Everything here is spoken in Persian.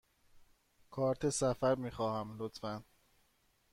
کارت سفر می خواهم، لطفاً.